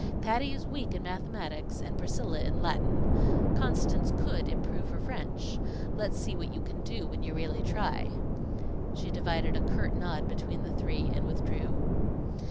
Patty is weak in mathematics and Priscilla in Latin. Constance could improve her French. Let us see what you can do when you really try." She divided a curt nod between the three and withdrew.